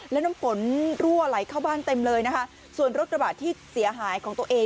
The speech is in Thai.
แล้วน้ำฝนรั่วไหลเข้าบ้านเต็มเลยนะคะส่วนรถกระบะที่เสียหายของตัวเอง